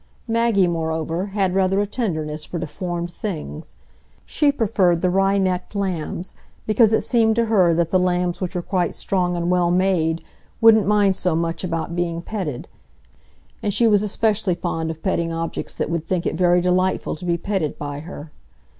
Maggie, moreover, had rather a tenderness for deformed things; she preferred the wry necked lambs, because it seemed to her that the lambs which were quite strong and well made wouldn't mind so much about being petted; and she was especially fond of petting objects that would think it very delightful to be petted by her.